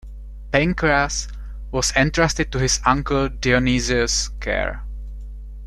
Pancras was entrusted to his uncle Dionysius' care.